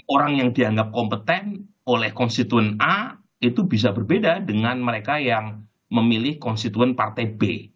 orang yang dianggap kompeten oleh konstituen a itu bisa berbeda dengan mereka yang memilih konstituen partai b